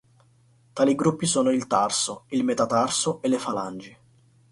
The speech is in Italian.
Tali gruppi sono il tarso, il metatarso e le falangi.